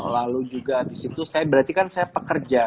lalu juga habis itu berarti kan saya pekerja